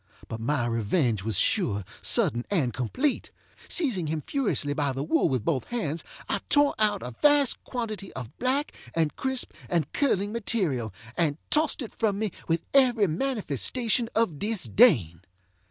But my revenge was sure, sudden, and complete. Seizing him furiously by the wool with both hands, I tore out a vast quantity of black, and crisp, and curling material, and tossed it from me with every manifestation of disdain.